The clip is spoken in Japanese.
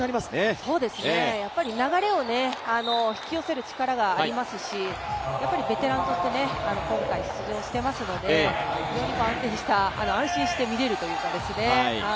流れを引き寄せる力がありますし、ベテランとして今回出場していますので、非常に安定した、安心して見られますね。